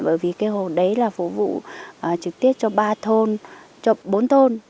bởi vì cái hồ đấy là phục vụ trực tiếp cho ba thôn cho bốn thôn